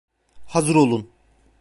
Hazır olun!